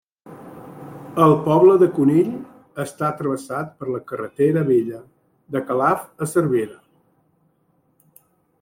El poble de Conill està travessat per la carretera vella de Calaf a Cervera.